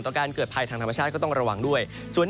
การเกิดภัยทางธรรมชาติก็ต้องระวังด้วย